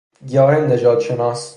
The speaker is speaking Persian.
گیاه نژادشناس